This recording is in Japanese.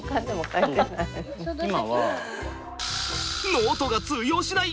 ノートが通用しない！